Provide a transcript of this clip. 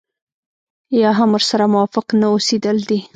يا هم ورسره موافق نه اوسېدل دي.